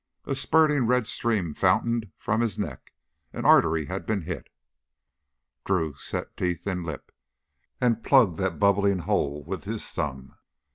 A spurting red stream fountained from his neck; an artery had been hit. Drew set teeth in lip, and plugged that bubbling hole with his thumb.